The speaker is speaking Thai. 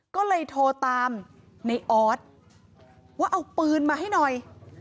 ก็เลยโทรตามในออสว่าเอาปืนมาให้หน่อย